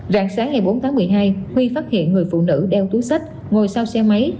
rạng sáng ngày bốn tháng một mươi hai huy phát hiện người phụ nữ đeo túi sách ngồi sau xe máy